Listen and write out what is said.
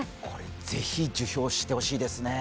是非、受賞してほしいですね